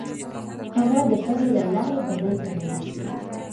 هوا د پزې له لارې بدن ته ننوزي.